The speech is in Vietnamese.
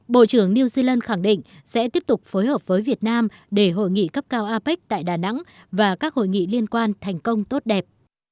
bộ trưởng new zealand khẳng định sẽ tiếp tục phối hợp với việt nam để hội nghị cấp cao apec tại đà nẵng và các hội nghị liên quan thành công tốt đẹp